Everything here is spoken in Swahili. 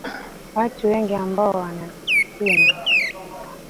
watu wengine ambao wanapinga